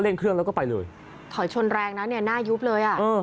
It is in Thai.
เครื่องแล้วก็ไปเลยถอยชนแรงนะเนี่ยหน้ายุบเลยอ่ะเออ